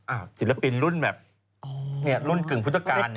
อ่าศิลปินรุ่นแบบเนี่ยรุ่นกึ่งพุทธกาลเนี่ย